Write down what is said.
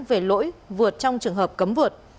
về lỗi vượt trong trường hợp cấm vượt